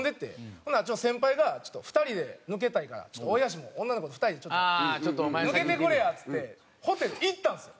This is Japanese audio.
ほんなら先輩が「ちょっと２人で抜けたいから大東も女の子と２人で抜けてくれや」っつってホテル行ったんですよ！